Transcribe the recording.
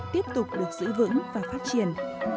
tiếp tục được giữ vững và phát triển